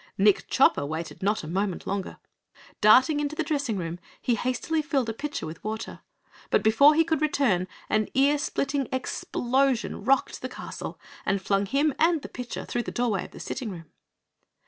Nick Chopper waited not a moment longer. Darting into the dressing room he hastily filled a pitcher with water. But before he could return, an ear splitting explosion rocked the castle and flung him and the pitcher through the doorway of the sitting room.